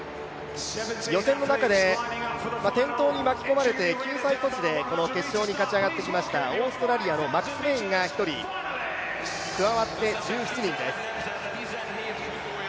予選の中で転倒に巻き込まれて救済措置で決勝に勝ち上がってきた、オーストラリアのマクスウェインが加わって１７人です。